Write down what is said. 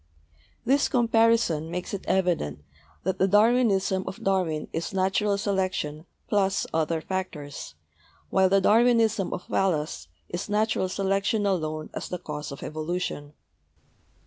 This comparison makes it evident that the Darwinism of Darwin is natural selection plus other factors, while the Darwinism of Wallace is natural selection alone as the cause of evolution.